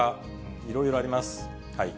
いろいろあります。